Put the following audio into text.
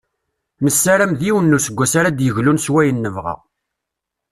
Nessaram d yiwen n useggas ara d-yeglun s wayen nebɣa.